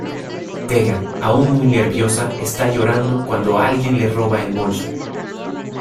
Tegan, aún muy nerviosa, está llorando cuando alguien le roba el bolso.